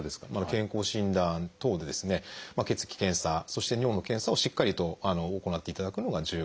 健康診断等で血液検査そして尿の検査をしっかりと行っていただくのが重要かと思います。